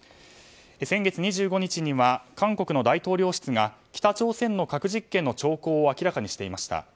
先月２５日には韓国の大統領室が北朝鮮の核実験の兆候を明らかにしていました。